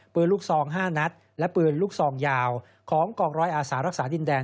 ปืนลูกซอง๕นัดและปืนลูกซองยาวของกองร้อยอาสารักษาดินแดน